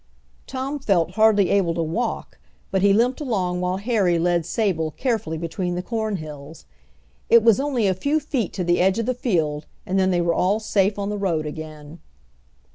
Tom felt hardly able to walk, but he limped along while Harry led Sable carefully between the cornhills. It was only a few feet to the edge of the field, and then they were all safe on the road again.